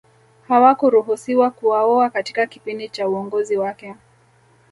Hawakuruhusiwa kuwaoa katika kipindi cha uongozi wake